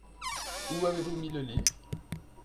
Où avez-vous mis le livre ?